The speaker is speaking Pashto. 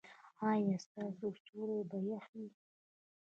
ایا ستاسو سیوري به يخ وي؟